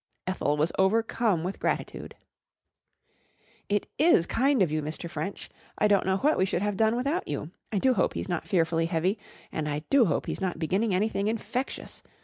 Ethel was overcome with gratitude. "It is kind of you, Mr. French. I don't know what we should have done without you. I do hope he's not fearfully heavy, and I do hope he's not beginning anything infectious.